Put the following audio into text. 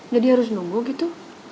jadi harus nunggu gitu